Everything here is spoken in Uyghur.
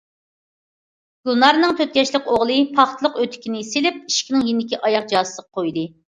گۈلنارنىڭ تۆت ياشلىق ئوغلى پاختىلىق ئۆتۈكىنى سېلىپ، ئىشىكنىڭ يېنىدىكى ئاياغ جازىسىغا قويدى.